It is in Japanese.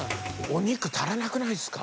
お肉足らなくないっすか？